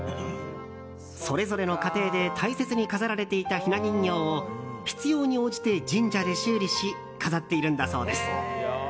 それぞれの家庭で大切に飾られていたひな人形を必要に応じて神社で修理し飾っているんです。